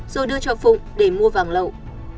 rồi đưa cho phụng để mua vàng lậu